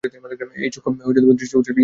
এই চক্ষু দৃষ্টির উৎস নয়, ইহা যন্ত্রমাত্র।